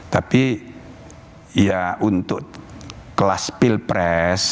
tapi ya untuk kelas pilpres